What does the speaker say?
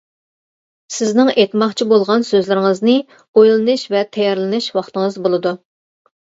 سىزنىڭ ئېيتماقچى بولغان سۆزلىرىڭىزنى ئويلىنىش ۋە تەييارلىنىش ۋاقتىڭىز بولىدۇ.